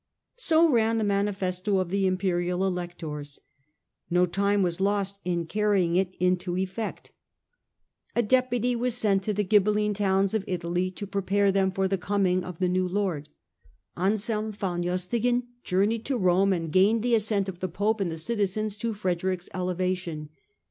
So ran the manifesto of the Imperial Electors. No time was lost in carrying it into effect. A deputy was 38 STUPOR MUNDI sent to the Ghibelline towns of Italy to prepare them for the coming of their new Lord. Anselm von Justingen journeyed to Rome and gained the assent of the Pope and the citizens to Frederick's elevation.